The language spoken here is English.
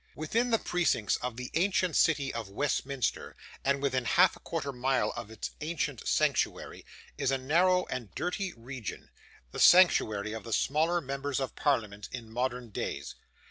Within the precincts of the ancient city of Westminster, and within half a quarter of a mile of its ancient sanctuary, is a narrow and dirty region, the sanctuary of the smaller members of Parliament in modern days.